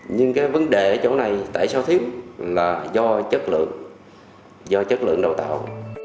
nhưng cái vấn đề ở chỗ này tại sao thiếu là do chất lượng do chất lượng đào tạo